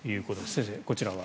先生、こちらは？